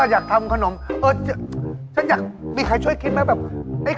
อยากทำขนมเออฉันอยากมีใครช่วยคิดไหมแบบ